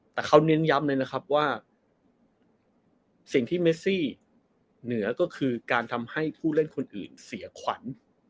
แต่เขาเน้นย้ำเลยนะครับว่าสิ่งที่เมซี่เหนือก็คือการทำให้ผู้เล่นคนอื่นเสียขวัญ